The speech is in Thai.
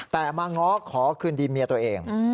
แต่มาง้อขอคืนดีเมียตัวเอง